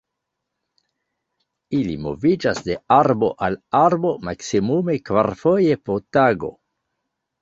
Ili moviĝas de arbo al arbo maksimume kvarfoje po tago.